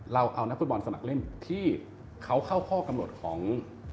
เราเอานักฟุตบอลสมัครเล่นที่เขาเข้าข้อกำหนดของ